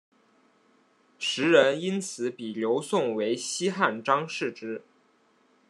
时人因此比刘颂为西汉张释之。